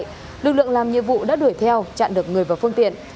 lực lượng làm nhiệm vụ đã đuổi theo chặn được người vào phương tiện